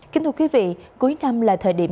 kính thưa quý vị cuối năm là thời điểm